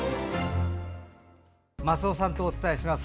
松尾さんとお伝えします。